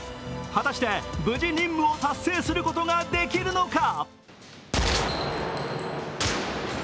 果たして無事、任務を達成することができるのか。